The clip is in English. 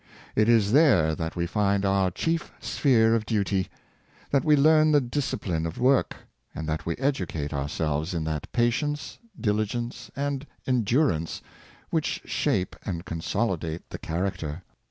It is there that we find our chief sphere of duty, that we learn the discipline of work, and that we educate our selves in that patience, diligence, and endurance which shape and consolidate the character.